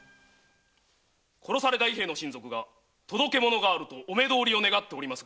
殺された伊兵衛の親族が届け物があるとお目通り願っております。